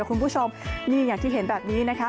คุณผู้ชมอย่างที่เห็นแบบนี้